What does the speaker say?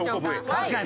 確かに。